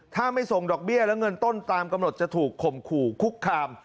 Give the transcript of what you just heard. ถ้าไม่ส่งดอกเบี้ยและเงินต้นตามกำหนดจะถูกข่มขู่คุกคาม